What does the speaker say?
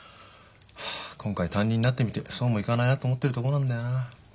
今回担任になってみてそうもいかないなと思ってるとこなんだよな。